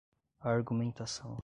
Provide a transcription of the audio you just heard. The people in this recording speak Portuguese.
argumentação